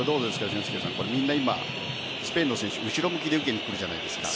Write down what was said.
みんなスペインの選手後ろ向きで受けに来るじゃないですか。